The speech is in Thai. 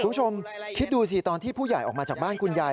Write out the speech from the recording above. คุณผู้ชมคิดดูสิตอนที่ผู้ใหญ่ออกมาจากบ้านคุณยาย